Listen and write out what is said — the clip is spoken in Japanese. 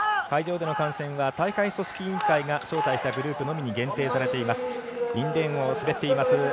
会場での観戦は大会組織委員会が招待したグループのみに限定されています。